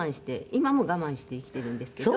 今も我慢して生きているんですけど。